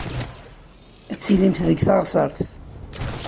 Ad tilim deg teɣsert.